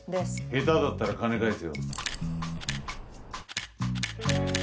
下手だったら金返せよ。